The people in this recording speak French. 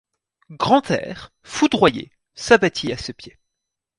Grantaire, foudroyé, s’abattit à ses pieds.